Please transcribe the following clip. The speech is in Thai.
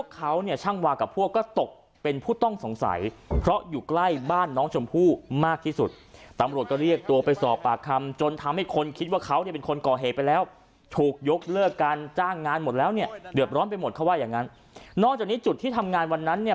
เขาว่าอย่างนั้นนอกจากนี้จุดที่ทำงานวันนั้นเนี่ย